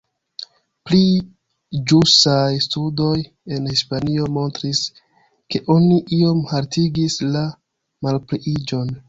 Pli ĵusaj studoj en Hispanio montris, ke oni iom haltigis la malpliiĝon.